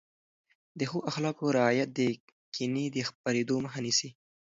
د ښو اخلاقو رعایت د کینې د خپرېدو مخه نیسي.